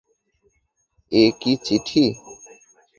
এ কী চিঠি।